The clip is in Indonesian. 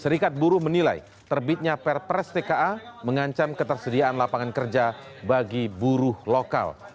serikat buruh menilai terbitnya perpres tka mengancam ketersediaan lapangan kerja bagi buruh lokal